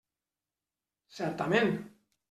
Certament.